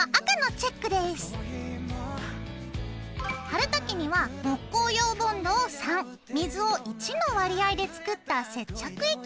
貼る時には木工用ボンドを３水を１の割合で作った接着液を使うよ。